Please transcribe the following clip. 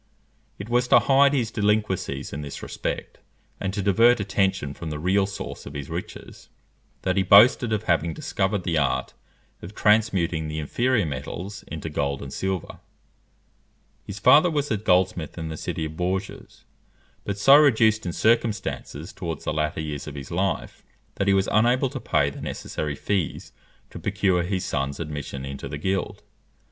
It was to hide his delinquencies in this respect, and to divert attention from the real source of his riches, that he boasted of having discovered the art of transmuting the inferior metals into gold and silver. His father was a goldsmith in the city of Bourges; but so reduced in circumstances towards the latter years of his life, that he was unable to pay the necessary fees to procure his son's admission into the guild.